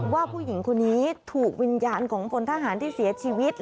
ว่าผู้หญิงคนนี้ถูกวิญญาณของพลทหารที่เสียชีวิต